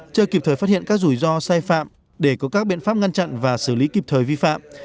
chưa kịp thời phát hiện các rủi ro sai phạm để có các biện pháp ngăn chặn và xử lý kịp thời vi phạm